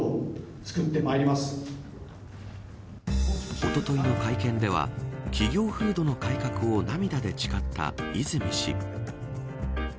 おとといの会見では企業風土の改革を涙で誓った和泉氏。